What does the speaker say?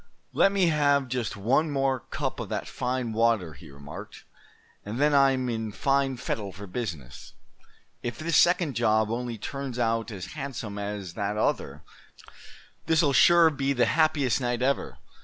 "Let me have just one more cup of that fine water," he remarked, "and then I'm in fine fettle for business. If this second job only turns out as handsome as that other, this'll sure be the happiest night ever.